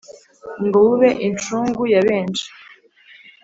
ngo bube incungu ya benshi